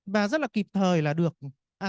và rất là kịp thời là được